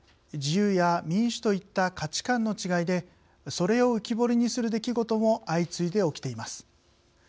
自由や民主といった価値観の違いでそれを浮き彫りにする出来事も相次いで起きています。